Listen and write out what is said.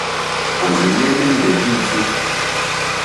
Òrzìɲɛ́ nɛ́ndɛ̀ mbîtí.